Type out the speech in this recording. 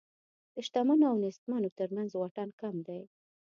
د شتمنو او نېستمنو تر منځ واټن کم دی.